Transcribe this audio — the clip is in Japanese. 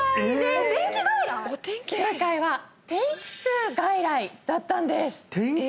正解は「天気痛外来」だったんです天気